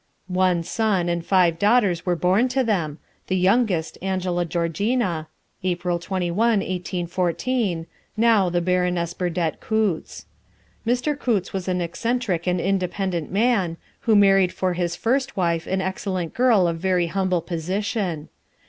One son and five daughters were born to them, the youngest Angela Georgina (April 21, 1814), now the Baroness Burdett Coutts. Mr. Coutts was an eccentric and independent man, who married for his first wife an excellent girl of very humble position.